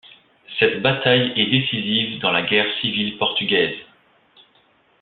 Cette bataille est décisive dans la guerre civile portugaise.